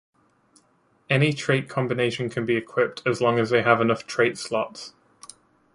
Any trait combination can be equipped as long as they have enough trait slots.